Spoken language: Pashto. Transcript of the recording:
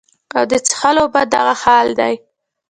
او د څښلو اوبو دغه حال دے